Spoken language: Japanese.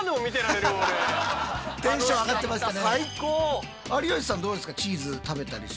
テンション上がってましたね。